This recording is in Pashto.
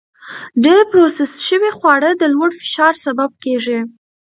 ډېر پروسس شوي خواړه د لوړ فشار سبب کېږي.